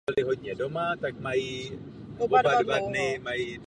Řadu let byl snímek filmovými odborníky považován za ztracený.